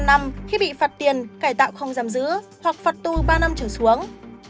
năm năm khi bị phạt tiền cải tạo không giảm giữ hoặc phạt tu ba năm trở xuống